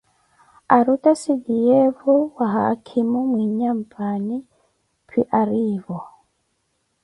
Arutiiseliweevo wa haakhimo, mwinyapwaani phi arnaavo